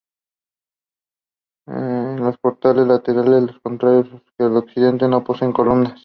Los portales laterales, al contrario que el occidental, no poseen columnas.